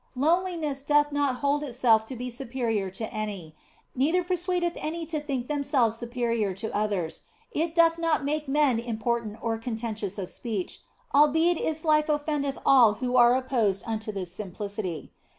Lowliness doth not hold itself to be superior to any, neither persuadeth any to think themselves superior to others ; it doth not make men im portant or contentious of speech, albeit its life offendeth all who are opposed unto this simplicity.